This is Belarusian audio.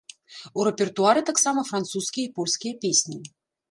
У рэпертуары таксама французскія і польскія песні.